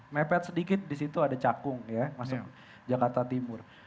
mepet sedikit di situ ada cakung ya masuk jakarta timur